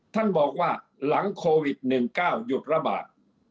ท่านบอกว่าหลังโควิด๑๙หยุดระบาด